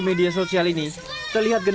buka cuci pakaian